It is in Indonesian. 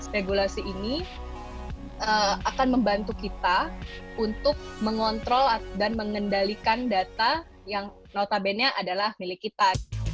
regulasi ini akan membantu kita untuk mengontrol dan mengendalikan data yang notabene adalah milik kita